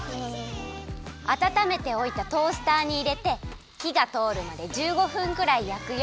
あたためておいたトースターにいれてひがとおるまで１５分くらいやくよ。